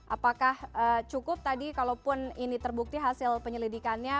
apakah cukup tadi kalaupun ini terbukti hasil penyelidikannya